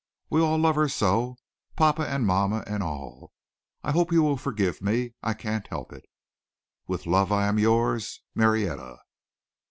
We all love her so papa and mamma and all. I hope you will forgive me. I can't help it. "With love I am yours, "Marietta."